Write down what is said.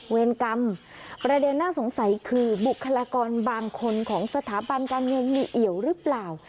เวรกรรมประเด็นน่าสงสัยคือบุคลากรบางคนของสถาบันการเงินมีเอี่ยวหรือเปล่า